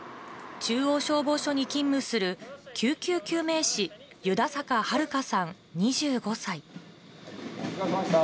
中央消防署に勤務する救急救命士、湯田坂遥夏さん２５歳。